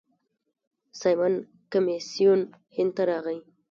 سایمن کمیسیون هند ته راغی.